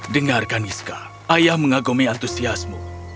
dengarkan kaniska ayah mengagumi antusiasmu